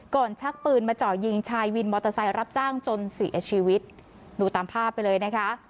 ชักปืนมาเจาะยิงชายวินมอเตอร์ไซค์รับจ้างจนเสียชีวิตดูตามภาพไปเลยนะคะ